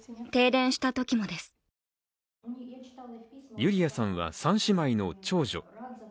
ユリアさんは３姉妹の長女。